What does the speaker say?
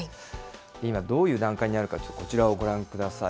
今、どういう段階にあるか、ちょっとこちらをご覧ください。